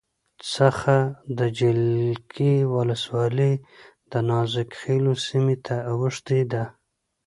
څخه د جلگې ولسوالی دنازک خیلو سیمې ته اوښتې ده